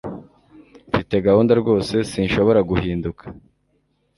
Mfite gahunda rwose sinshobora guhinduka